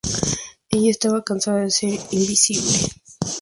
Ella estaba cansada de ser invisible.